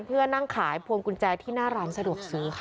เพื่อนั่งขายพวงกุญแจที่หน้าร้านสะดวกซื้อค่ะ